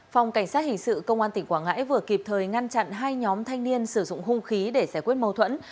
phòng cảnh sát hình sự công an tỉnh quảng ngãi vừa kịp thời ngăn chặn hai nhóm thanh niên sử dụng hung khí để giải quyết mâu thuẫn